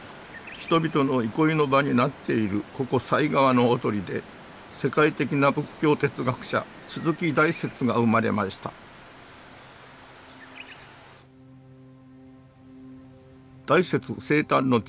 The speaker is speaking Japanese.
人々の憩いの場になっているここ犀川のほとりで世界的な仏教哲学者鈴木大拙が生まれました大拙生誕の地